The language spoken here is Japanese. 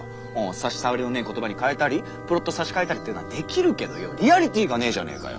さし障りのねー言葉に変えたりプロットを差し替えたりってのはできるけどよォ「リアリティ」がねーじゃねーかよ。